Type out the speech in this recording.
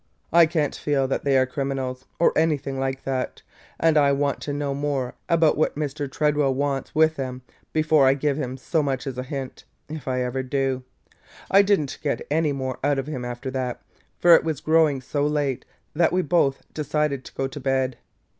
I can't feel that they are criminals, or anything like that; and I want to know more about what Mr. Tredwell wants with them before I give him so much as a hint, if I ever do! I did n't get any more out of him after that, for it was growing so late that we both decided to go to bed.